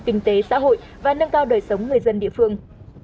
kinh tế xã hội và nâng cao đời sống người dân địa phương